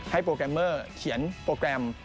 โปรแกรมเมอร์เขียนโปรแกรม